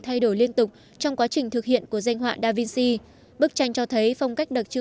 thay đổi liên tục trong quá trình thực hiện của danh họa da vinci bức tranh cho thấy phong cách